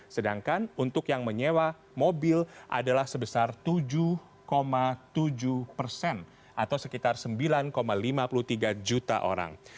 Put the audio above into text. sedangkan untuk yang menyewa mobil adalah sebesar tujuh tujuh persen atau sekitar sembilan lima puluh tiga juta orang